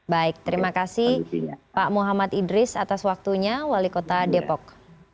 baik terima kasih pak muhammad idris atas waktunya wali kota depok